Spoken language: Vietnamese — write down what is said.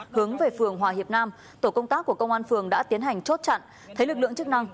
hướng về phường hòa hiệp nam tổ công tác của công an phường đã tiến hành chốt chặn thấy lực lượng chức năng